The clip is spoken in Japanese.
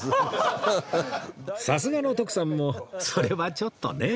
さすがの徳さんもそれはちょっとね